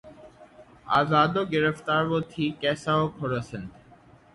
آزاد و گرفتار و تہی کیسہ و خورسند